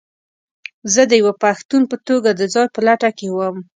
زه د یوه پښتون په توګه د ځاى په لټه کې وم.